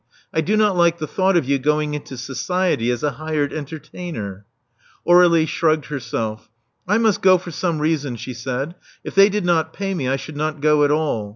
I do not like the thought of you going into society as a hired entertainer." Aur^lie shrugged herself. I must go for some reason," she said. If they did not pay me I should not go at all.